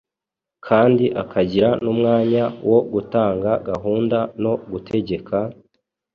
kandi akagira n’umwanya wo gutanga gahunda no gutegeka,